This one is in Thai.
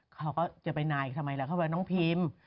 เขาก็จะไปนายทำไมล่ะเข้าไปน้องพิม